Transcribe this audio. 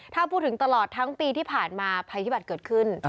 ถ้าพูดถึงตลอดทั้งปีที่ผ่านมาภัยพิบัตรเกิดขึ้น